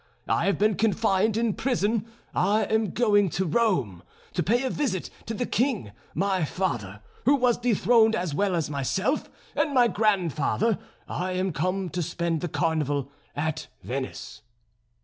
I have been confined in prison; I am going to Rome, to pay a visit to the King, my father, who was dethroned as well as myself and my grandfather, and I am come to spend the Carnival at Venice."